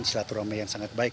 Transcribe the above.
silaturahmi yang sangat baik